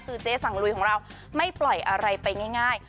คือเจ๊สั่งลุยของเราไม่ปล่อยอะไรไปง่าย